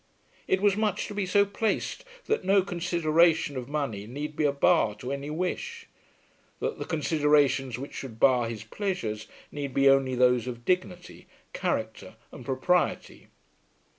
It was much to be so placed that no consideration of money need be a bar to any wish, that the considerations which should bar his pleasures need be only those of dignity, character, and propriety.